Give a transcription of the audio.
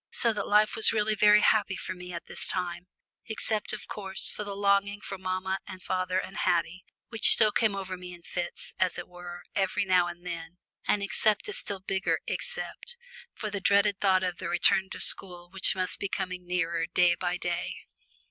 So that life was really very happy for me at this time, except of course for the longing for mamma and father and Haddie, which still came over me in fits, as it were, every now and then, and except a still bigger "except" for the dreaded thought of the return to school which must be coming nearer day by day.